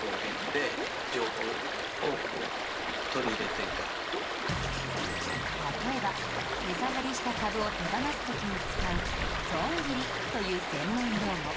なるだけ例えば値下がりした株を手放す時に使う「損切り」という専門用語